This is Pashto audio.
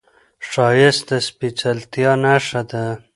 ښایست د سپېڅلتیا نښه ده